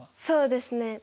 そうですね。